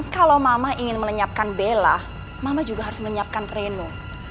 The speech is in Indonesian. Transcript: kalau mama ingin melenyapkan bella mama juga harus menyiapkan pleno